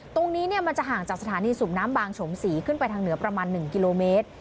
ตรงนี้มันจะห่างจากสถานีสูบน้ำบางโฉมศรีขึ้นไปทางเหนือประมาณ๑กิโลเมตร